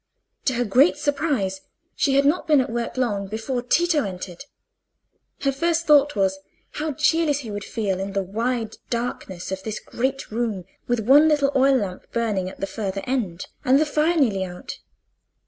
To her great surprise, she had not been at work long before Tito entered. Her first thought was, how cheerless he would feel in the wide darkness of this great room, with one little oil lamp burning at the further end, and the fire nearly out.